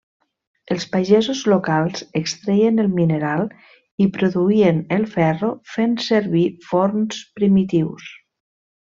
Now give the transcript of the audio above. Els pagesos locals extreien el mineral i produïen el ferro fent servir forns primitius.